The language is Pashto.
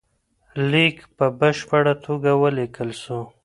ليک په بشپړه توګه وليکل سو.